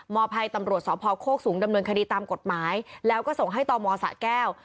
ให้ตำรวจสพโคกสูงดำเนินคดีตามกฎหมายแล้วก็ส่งให้ตมสะแก้ว